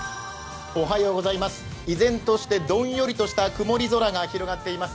依然としてどんよりとした曇り空が広がっています。